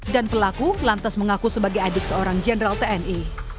pelaku lantas mengaku sebagai adik seorang jenderal tni